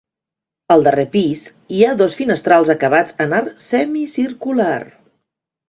Al darrer pis hi ha dos finestrals acabats en arc semicircular.